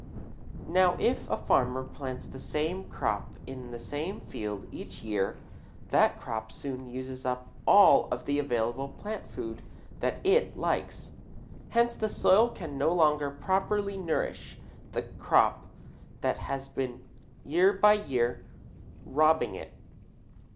Now if a farmer plant the same crop in the same field each year, that crop soon uses up all of the available plant food that it likes. Hence the soil can no longer properly nourish the crop that has been year by year robbing it.